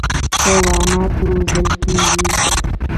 حیوانات روزل کېږي.